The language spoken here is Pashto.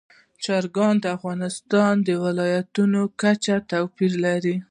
چرګان د افغانستان د ولایاتو په کچه توپیر لري.